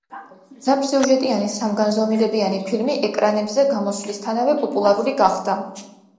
მძაფრსიუჟეტიანი სამგანზომილებიანი ფილმი ეკრანებზე გამოსვლისთანავე პოპულარული გახდა.